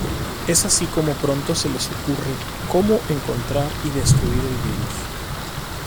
Es así como pronto se les ocurre como encontrar y destruir el virus.